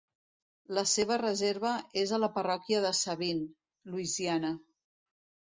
La seva reserva és a la parròquia de Sabine, Louisiana.